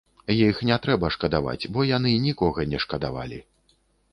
Іх не трэба шкадаваць, бо яны нікога не шкадавалі.